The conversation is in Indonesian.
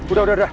udah udah udah